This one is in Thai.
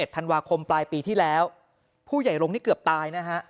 ธันวาคมปลายปีที่แล้วผู้ใหญ่ลงนี่เกือบตายนะฮะ